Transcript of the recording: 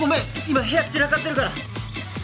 今部屋散らかってるから。